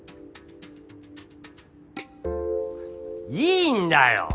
いいんだよ